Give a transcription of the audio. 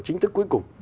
chính thức cuối cùng